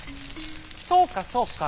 「そうかそうか。